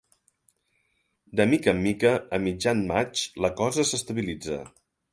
De mica en mica, a mitjan maig, la cosa s'estabilitza.